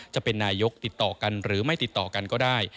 จะเป็นนายกติดต่อกันหรือไม่ติดต่อกันก็ได้